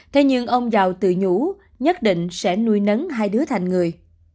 thế nhưng ông giàu tự nhủ nhất định sẽ nuôi nấn hai đứa thành người